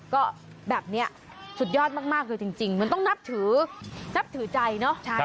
ก็แบบนี้สุดยอดมากจริงมันต้องนับถือใจเนอะ